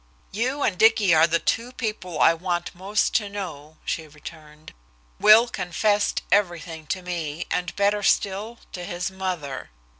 "You and Dicky are the two people I want most to know," she returned. "Will confessed everything to me, and better still, to his mother.